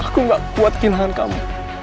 aku gak kuat kehilangan kamu